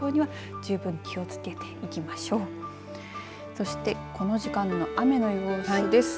そしてこの時間の雨の様子です。